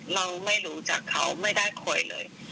เราไม่รู้จักเขาไม่ได้คุยเลย